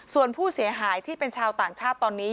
ส่วนผู้เสียหายที่เป็นชาวต่างชาติตอนนี้